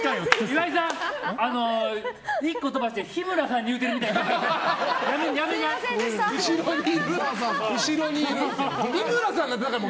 岩井さん、１個飛ばして日村さんに言うてるみたいだから。